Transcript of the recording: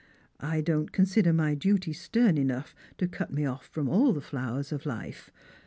I don't consider my duty stern enough to cut me off from all the flowers of life.